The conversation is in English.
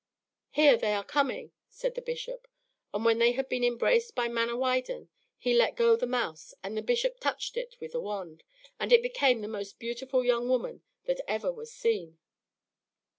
"Here they are coming," said the bishop; and when they had been embraced by Manawydan, he let go the mouse; the bishop touched it with a wand, and it became the most beautiful young woman that ever was seen.